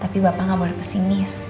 tapi bapak nggak boleh pesimis